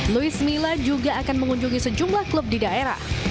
luis mila juga akan mengunjungi sejumlah klub di daerah